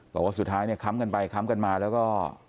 บอกว่าสุดท้ายเนี่ยค้ำกันไปค้ำกันมาแล้วก็